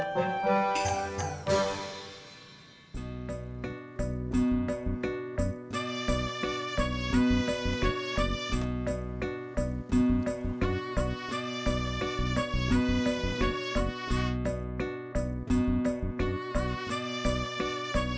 saat akhir parfumnya dari palembang